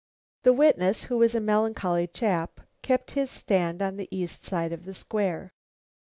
The witness, who was a melancholy chap, kept his stand on the east side of the Square.